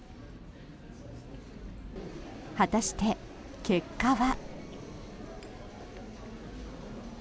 果たして、結果は。